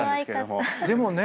でもね